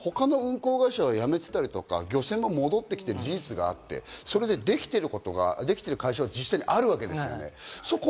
ほかの運航会社はやめていたり、漁船も戻ってきている事実があって、それでできている会社が実際にあるわけです。